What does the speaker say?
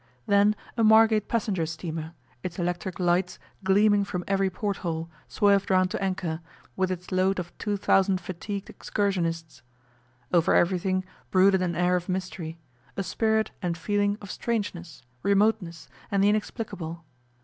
Then a Margate passenger steamer, its electric lights gleaming from every porthole, swerved round to anchor, with its load of two thousand fatigued excursionists. Over everything brooded an air of mystery a spirit and feeling of strangeness, remoteness, and the inexplicable.